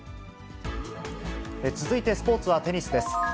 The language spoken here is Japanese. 続いてスポーツはテニスです。